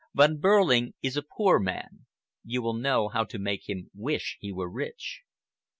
Von Behrling is a poor man. You will know how to make him wish he were rich."